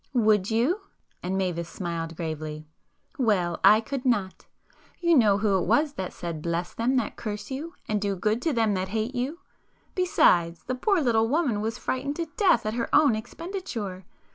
"Would you?" and Mavis smiled gravely—"Well, I could not. You know Who it was that said 'Bless them that curse you, and do good to them that hate you'? Besides, the poor little woman was frightened to death at her own expenditure.